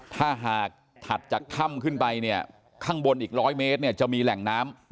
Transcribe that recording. ถ้าหากถัดจากถ้ำขึ้นไปเนี่ยข้างบนอีกร้อยเมตรเนี่ยจะมีแหล่งน้ำ